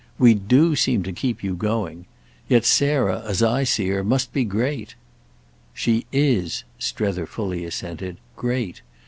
We do seem to keep you going. Yet Sarah, as I see her, must be great." "She is" Strether fully assented: "great!